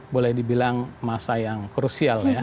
boleh dibilang masa yang krusial ya